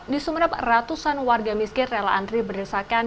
di sumenep ratusan warga miskin rela antri beresakan